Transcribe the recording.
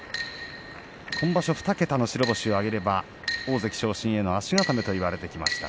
今場所２桁の白星を挙げれば大関昇進への足固めと言われてきました。